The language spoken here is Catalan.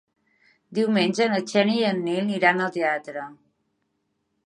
Diumenge na Xènia i en Nil iran al teatre.